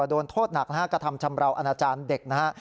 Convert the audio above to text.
โดนโทษหนักนะฮะกระทำชำราวอาณาจารย์เด็กนะฮะ